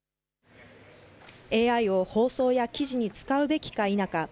ＡＩを放送や記事に使うべきか否か。